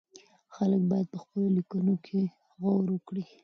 خلک بايد په خپلو ليکنو کې غور وکړي.